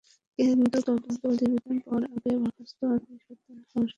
কিন্তু তদন্ত প্রতিবেদন পাওয়ার আগে বরখাস্তের আদেশ প্রত্যাহার হওয়ার সুযোগ নেই।